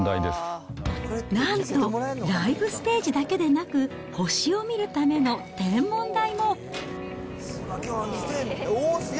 なんと、ライブステージだけでなく、星を見るための天文台も。